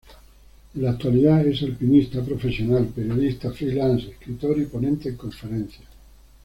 En la actualidad es alpinista profesional, periodista freelance, escritor y ponente en conferencias.